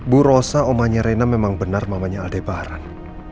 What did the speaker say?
bu rosa omanya rena memang benar mamanya aldebaran